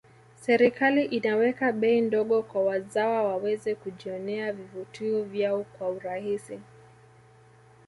serikali inaweka bei ndogo kwa wazawa waweze kujionea vivutio vyao kwa urahisi